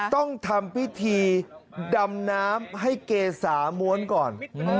ต้องทำพิธีดำน้ำให้เกษาม้วนก่อน